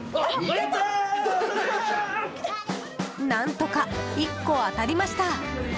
何とか１個当たりました。